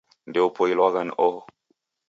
Ndeupoilwagha ni oho